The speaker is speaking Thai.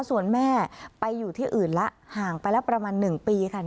ส่วนแม่ไปอยู่ที่อื่นแล้วห่างไปแล้วประมาณ๑ปีค่ะ